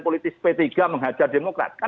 politis p tiga menghajar demokrat kan